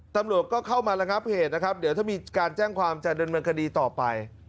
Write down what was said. ตำรวจก็เข้ามาระงับเหตุนะครับเดี๋ยวถ้ามีการแจ้งความจะดำเนินคดีต่อไป